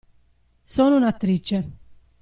Sono un'attrice.